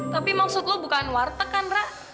tapi maksud lo bukan warteg kan rak